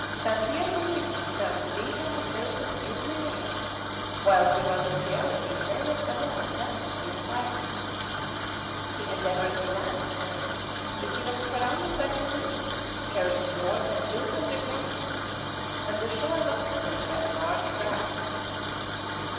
Dampier believed himself to be on the coast of New Guinea, while he was in reality sailing along that of New Ireland. He endeavoured to land there, but he was surrounded by canoes carrying more than 200 natives, and the shore was covered by a large crowd.